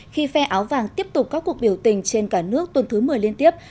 khi phe áo vàng tiếp tục các cuộc biểu tình trên cả nước tuần thứ một mươi liên tiếp